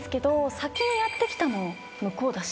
先にやってきたの向こうだし。